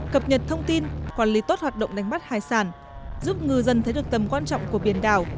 cập nhật thông tin quản lý tốt hoạt động đánh bắt hải sản giúp ngư dân thấy được tầm quan trọng của biển đảo